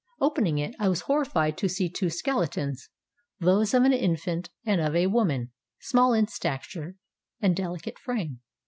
Opening it, I was horrified to see two skeletons those of an infant and of a woman, small in stature and delicate frame.